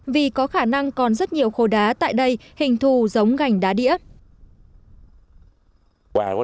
vì có khả năng còn rất nhiều khối đá tại đây hình thù giống gành đá đĩa